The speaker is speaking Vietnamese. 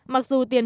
mặc dù tiền hộ